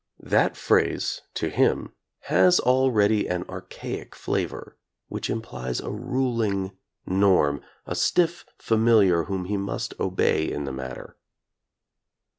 That phrase to him has already an archaic flavor which implies a ruling norm, a stiff familiar whom he must obey in the matter.